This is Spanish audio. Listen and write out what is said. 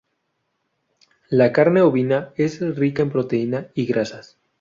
La carne ovina es rica en proteína y grasas.